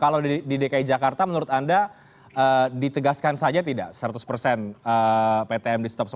kalau di dki jakarta menurut anda ditegaskan saja tidak seratus persen ptm di stopsi